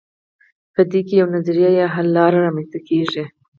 په دې کې یوه نظریه یا حل لاره رامیینځته کیږي.